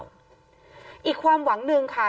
เดี๋ยวลองฟังดูนะครับ